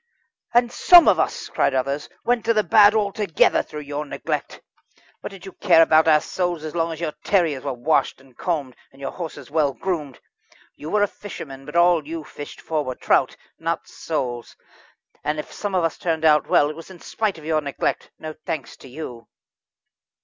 "And some of us," cried out others, "went to the bad altogether, through your neglect. What did you care about our souls so long as your terriers were washed and combed, and your horses well groomed? You were a fisherman, but all you fished for were trout not souls. And if some of us turned out well, it was in spite of your neglect no thanks to you."